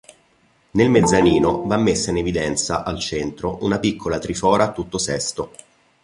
Nel mezzanino va messa in evidenza, al centro, una piccola trifora a tutto sesto.